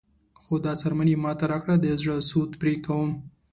خو دا څرمن یې ماته راکړه د زړه سود پرې کوم.